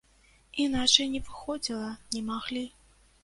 Іначай не выходзіла, не маглі.